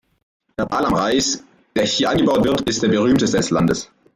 Der Balam-Reis der hier angebaut wird, ist der berühmteste des Landes.